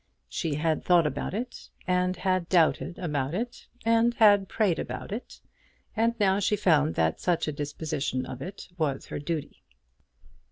She had thought about it, and had doubted about it, and had prayed about it, and now she found that such a disposition of it was her duty.